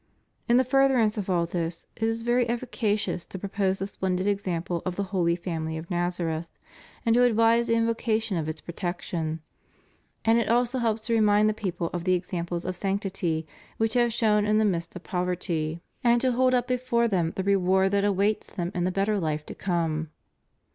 In the furtherance of all this, it is very efficacious to propose the splendid example of the Holy Family of Nazareth, and to advise the invocation of its protection, and it also helps to remind the people of the examples of sanctity which have shone in the midst of poverty, and CHRISTIAN DEMOCRACY. 493 to hold up before them the reward that awaits them in the better life to come.